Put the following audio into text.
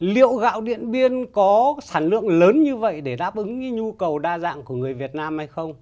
liệu gạo điện biên có sản lượng lớn như vậy để đáp ứng cái nhu cầu đa dạng của người việt nam hay không